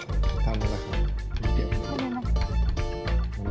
ได้ครับทำดูนะครับ